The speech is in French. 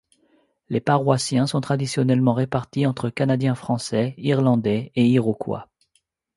Les paroissiens sont traditionnellement répartis entre Canadiens français, Irlandais et Iroquois.